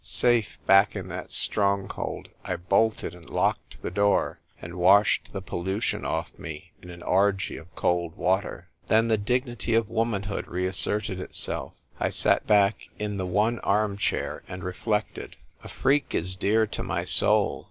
Safe back in that stronghold, I bolted and locked the door, and washed the pollution off me in an orgy of cold water. Then the dignity of womanhood reasserted itself. I sat back in the one arm chair, and reflected. A freak is dear to my soul.